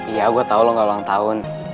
iya gue tau lo gak ulang tahun